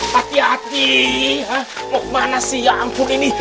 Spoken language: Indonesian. mas mau kemana sih ya ampun ini